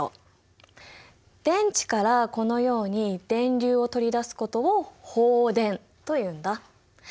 電池からこのように電流を取り出すことを放電というんだ。